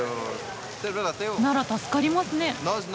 なら助かりますね。